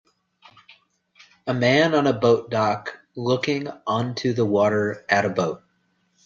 A man on a boat dock looking onto the water at a boat